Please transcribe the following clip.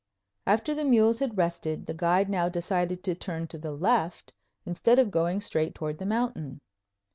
After the mules had rested, the guide now decided to turn to the left instead of going straight toward the mountain.